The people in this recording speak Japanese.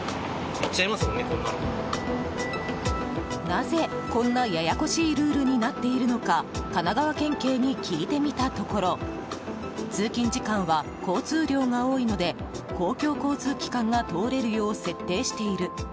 なぜ、こんなややこしいルールになっているのか神奈川県警に聞いてみたところ通勤時間は交通量が多いので公共交通機関が通れるよう設定している。